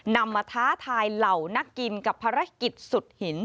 นำมาท้าทายเหล่านักกินกับภารกิจสุดหิน